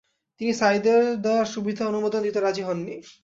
তিনি সাইদের দেয়া সুবিধা অনুমোদন দিতে রাজি হননি।